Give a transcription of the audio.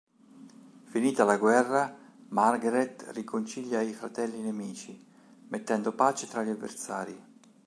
Finita la guerra, Margaret riconcilia i fratelli nemici, mettendo pace tra gli avversari.